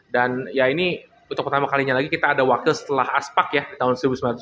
dan ya ini untuk pertama kalinya lagi kita ada wakil setelah aspak ya di tahun seribu sembilan ratus sembilan puluh tujuh